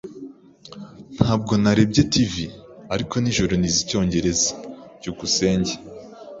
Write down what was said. Ntabwo narebye TV ariko nijoro nize icyongereza. byukusenge